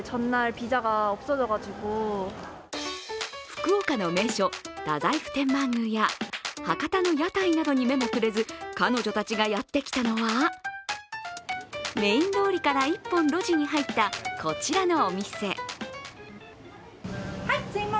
福岡の名所、太宰府天満宮や博多の屋台などに目もくれず彼女たちがやってきたのはメイン通りから１本、路地に入ったこちらのお店。